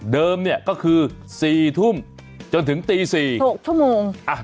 เนี่ยก็คือ๔ทุ่มจนถึงตี๔๖ชั่วโมง